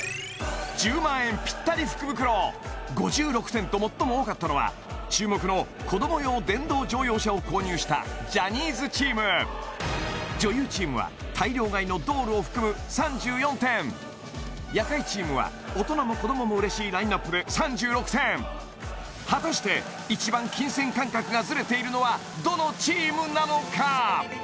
１０万円ぴったり福袋５６点と最も多かったのは注目の子ども用電動乗用車を購入したジャニーズチーム女優チームは大量買いのドールを含む３４点夜会チームは大人も子どもも嬉しいラインナップで３６点果たして一番金銭感覚がズレているのはどのチームなのか？